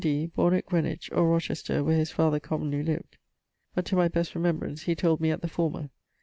D., borne at Greenwich (or Rochester, where his father commonly lived; but, to my best remembrance, he told me at the former).